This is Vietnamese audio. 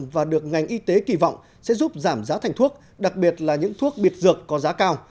và được ngành y tế kỳ vọng sẽ giúp giảm giá thành thuốc đặc biệt là những thuốc biệt dược có giá cao